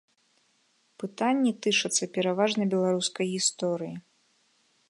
Пытанні тычацца пераважна беларускай гісторыі.